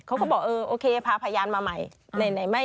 เขาก็บอกเออโอเคพาพยานมาใหม่